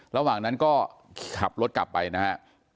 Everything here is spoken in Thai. ระหว่างนั้นก็ขับรถกลับไปนะฮะ